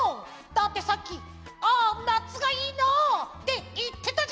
だってさっき「ああなつがいいなあ」っていってたじゃないか！